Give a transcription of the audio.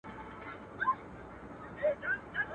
o هم ئې سکڼي، هم ئې رغوي.